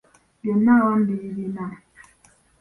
Byonna awamu biri bina.